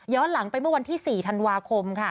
หลังไปเมื่อวันที่๔ธันวาคมค่ะ